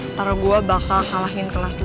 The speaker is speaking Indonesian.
ntar gue bakal kalahin kelas dua